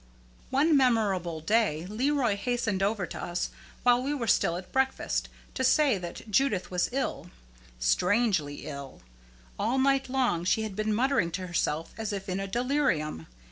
One memorable day Leroy hastened over to us while we were still at breakfast to say that Judith was ill, strangely ill. All night long she had been muttering to herself as if in a delirium.